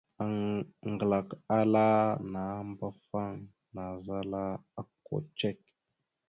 Aŋglak ala nàambafaŋ naazala okko cek.